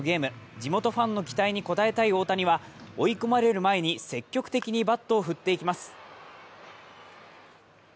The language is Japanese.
地元ファンの期待に応えたい大谷は追い込まれる前に積極的にバットを振っていきます。